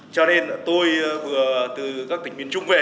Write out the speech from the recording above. cho nên tôi vừa từ các tỉnh miền trung về